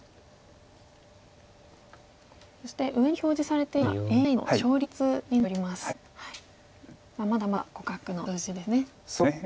そして上に表示されているのがＡＩの勝率になっております。